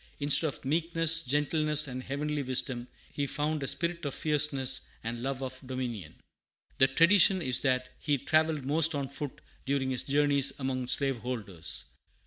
Instead of meekness, gentleness, and heavenly wisdom, he found "a spirit of fierceness and love of dominion." [The tradition is that he travelled mostly on foot during his journeys among slaveholders.